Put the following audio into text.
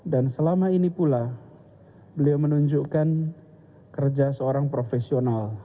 dan selama ini pula beliau menunjukkan kerja seorang profesional